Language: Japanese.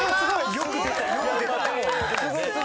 よく出た。